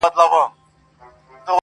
چي پر ټولو پاچهي کوي یو خدای دئ!